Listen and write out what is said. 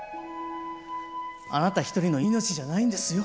あなた一人の命じゃないんですよ。